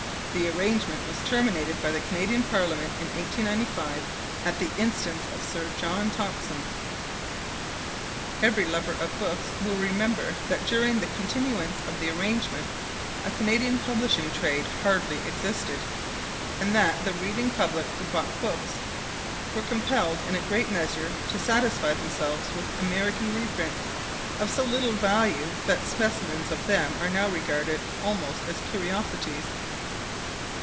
The arrangement was terminated by the Canadian Parliament in 1895 at the instance of Sir John Thompson. Every lover of books will remember that during the continuance of the arrangement, a Canadian Publishing Trade hardly existed, and that the reading public who bought books were compelled in a great measure to satisfy themselves with American reprints, of so little value that specimens of them are now regarded almost as curiosities.